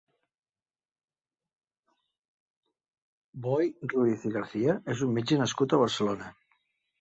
Boi Ruiz i Garcia és un metge nascut a Barcelona.